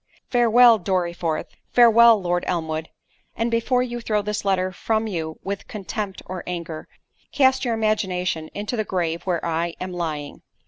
"Farewell Dorriforth—farewell Lord Elmwood—and before you throw this letter from you with contempt or anger, cast your imagination into the grave where I am lying.